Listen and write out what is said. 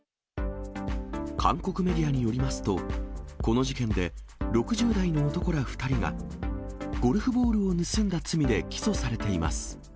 韓国メディアによりますと、この事件で、６０代の男ら２人が、ゴルフボールを盗んだ罪で起訴されています。